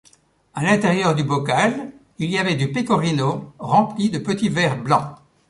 À l'intérieur du bocal il y avait du pecorino rempli de petits vers blancs.